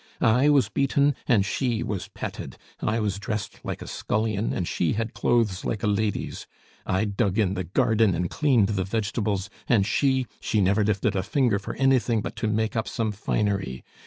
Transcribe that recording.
I was beaten, and she was petted; I was dressed like a scullion, and she had clothes like a lady's; I dug in the garden and cleaned the vegetables, and she she never lifted a finger for anything but to make up some finery!